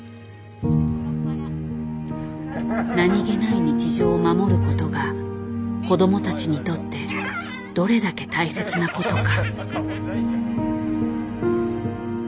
何気ない日常を守ることが子どもたちにとってどれだけ大切なことか。